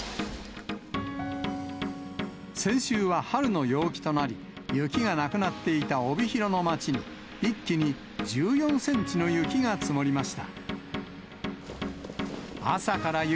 先週は春の陽気となり、雪がなくなっていた帯広の町に、一気に１４センチの雪が積もりました。